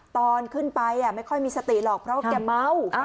ตอนขึ้นไปไม่ค่อยมีสติหรอกเพราะว่าแกเมา